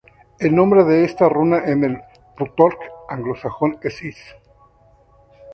El nombre de esta runa en el futhorc anglosajón es is.